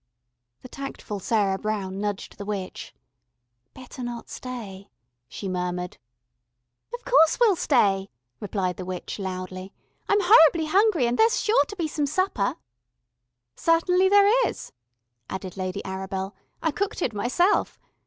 The tactful Sarah Brown nudged the witch. "Better not stay," she murmured. "Of course we'll stay," replied the witch loudly. "I'm horribly hungry, and there's sure to be some supper." "Certainly there is," added Lady Arabel. "I cooked it myself.